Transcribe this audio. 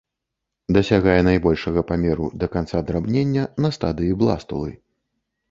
Дасягае найбольшага памеру да канца драбнення, на стадыі бластулы.